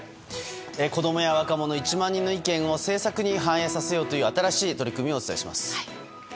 子供や若者１万人の意見を政策に反映させようという新しい取り組みをお伝えします。